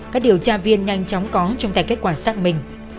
các điều tra viên nhanh chóng có trong tay kết quả xác minh